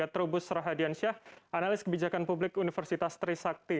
prof serahadian syah analis kebijakan publik universitas trisakti